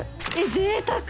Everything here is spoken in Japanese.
ぜいたく！